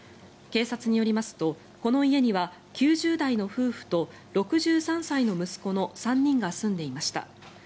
警察によりますとこの家には９０代の夫婦と６３歳の息子の３人が住んでいました。